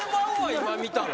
今見たら。